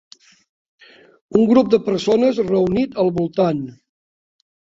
Un grup de persones reunit al voltant.